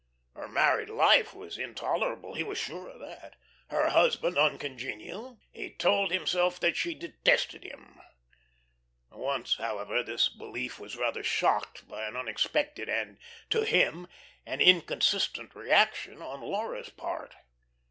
Her married life was intolerable, he was sure of that; her husband uncongenial. He told himself that she detested him. Once, however, this belief was rather shocked by an unexpected and (to him) an inconsistent reaction on Laura's part.